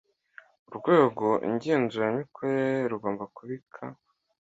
Urwego ngenzuramikorere rugomba kubika